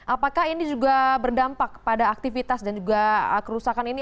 apakah ini juga berdampak pada aktivitas dan juga kerusakan ini